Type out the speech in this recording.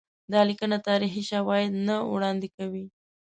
دا لیکنه تاریخي شواهد نه وړاندي کوي.